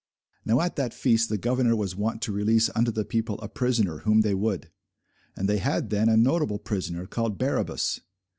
Now at that feast the governor was wont to release unto the people a prisoner, whom they would. And they had then a notable prisoner, called Barabbas.